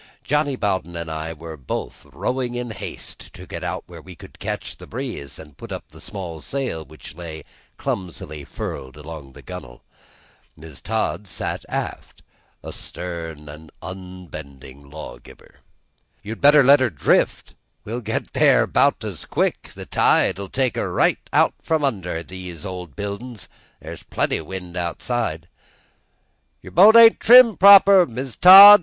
Johnny Bowden and I were both rowing in haste to get out where we could catch the breeze and put up the small sail which lay clumsily furled along the gunwale. Mrs. Todd sat aft, a stern and unbending lawgiver. "You better let her drift; we'll get there 'bout as quick; the tide'll take her right out from under these old buildin's; there's plenty wind outside." "Your bo't ain't trimmed proper, Mis' Todd!"